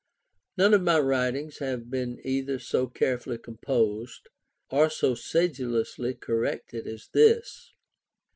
None of my writings have been either so carefully composed, or so sedulously corrected as this.